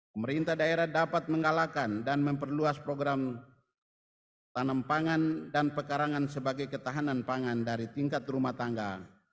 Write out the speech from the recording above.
pemerintah daerah dapat menggalakan dan memperluas program tanam pangan dan pekarangan sebagai ketahanan pangan dari tingkat rumah tangga